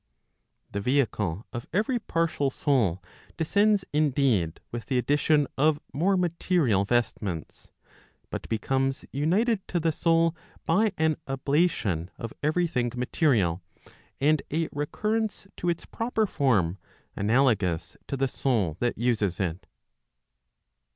The vehicle of every partial soul descends indeed with the addition of more material vestments, but becomes united to the soul by an ablation of every thing material, and a recurrence to its proper form, analogous to the soul that uses it.